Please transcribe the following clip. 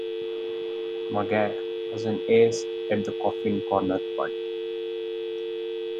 Maguire was an ace at the "coffin corner" punt.